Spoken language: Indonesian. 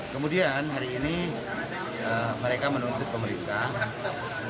kemudian hari ini mereka menuntut pemerintah